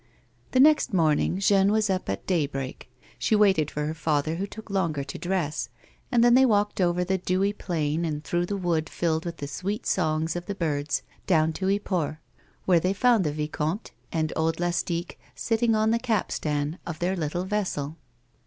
The next morning Jeanne was up at daybreak. She waited for her father who took longer to dress, and then they walked over the dewy plain and through the wood filled with the sweet songs of the birds, down to Yport, where they foiuid the vicomte and old Lastique sitting on the capstan of their little vessel.